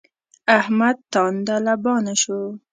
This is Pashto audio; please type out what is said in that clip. احمد تانده لبانه شو.